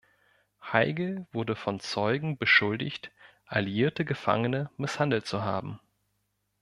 Heigel wurde von Zeugen beschuldigt, alliierte Gefangene misshandelt zu haben.